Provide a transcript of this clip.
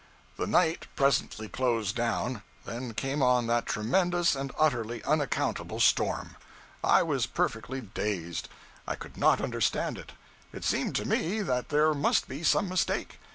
The night presently closed down. Then came on that tremendous and utterly unaccountable storm. I was perfectly dazed; I could not understand it. It seemed to me that there must be some mistake.